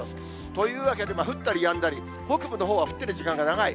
というわけで、降ったりやんだり、北部のほうは降ってる時間が長い。